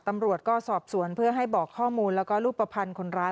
ตำรวจก็สอบสวนเพื่อให้บอกข้อมูลแล้วก็รูปภัณฑ์คนร้าย